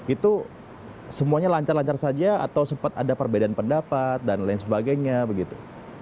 itu semuanya lancar lancar saja atau sempat ada perbedaan pendapat dan lain sebagainya begitu